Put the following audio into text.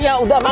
ya udah mak